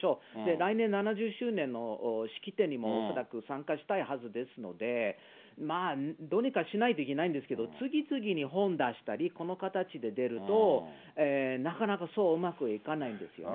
来年７０周年の式典にも恐らく参加したいはずですので、まあ、どうにかしないといけないんですけど、次々に本出したり、この形で出ると、なかなかそううまくいかないですよね。